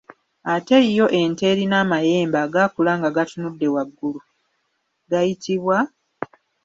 Ate yo ente erina amayembe agaakula nga gatunudde waggulu gayitibwa?